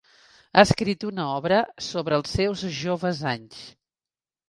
Ha escrit una obra sobre els seus joves anys.